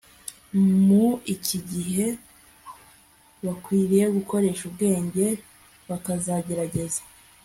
mu iki gihe bakwiriye gukoresha ubwenge bakagerageza